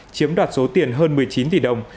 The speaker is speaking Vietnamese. chiếm đoạt số tiền hơn một mươi chín tỷ đồng